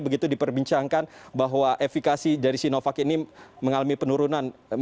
begitu diperbincangkan bahwa efikasi dari sinovac ini mengalami penurunan